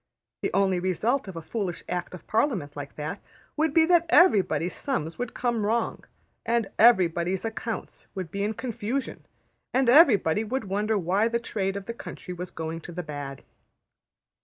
The only result of a foolish Act of Parliament like that would be that everybody's sums would come wrong, and everybody's accounts be in confusion, and everybody would wonder why the trade of the country was going to the bad.